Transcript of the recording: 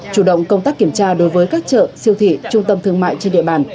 chủ động công tác kiểm tra đối với các chợ siêu thị trung tâm thương mại trên địa bàn